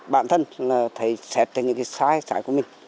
bản thân là thấy sẽ thành những cái sai của mình